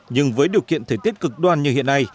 nhưng với điều kiện thời tiết cực đoan như hiện nay